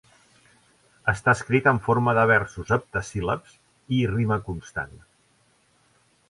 Està escrit en forma de versos heptasíl·labs i rima consonant.